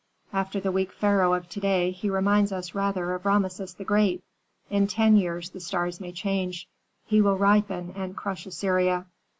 After the weak pharaoh of to day he reminds us rather of Rameses the Great. In ten years the stars may change; he will ripen and crush Assyria.